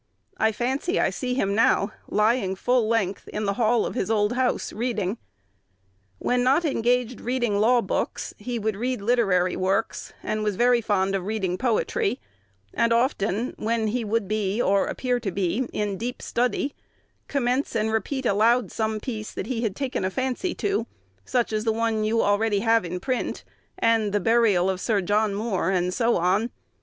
I fancy I see him now, lying full length in the hall of his old house reading. When not engaged reading law books, he would read literary works, and was very fond of reading poetry, and often, when he would be, or appear to be, in deep study, commence and repeat aloud some piece that he had taken a fancy to, such as the one you already have in print, and 'The Burial of Sir John Moore,' and so on.